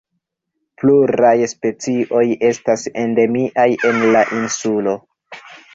Pluraj specioj estas endemiaj en la insulo.